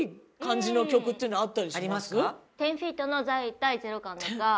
１０ーＦＥＥＴの『第ゼロ感』とか。